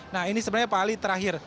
nah ini sebenarnya pak ali terakhir